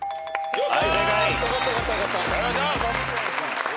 よし！